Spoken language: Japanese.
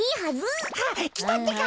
あっきたってか！